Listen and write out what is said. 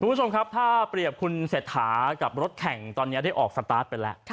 คุณผู้ชมครับถ้าเปรียบคุณเศรษฐากับรถแข่งตอนนี้ได้ออกสตาร์ทไปแล้ว